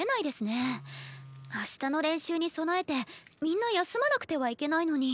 明日の練習に備えてみんな休まなくてはいけないのに。